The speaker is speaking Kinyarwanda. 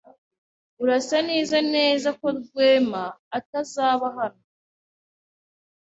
Urasa neza neza ko Rwema atazaba hano.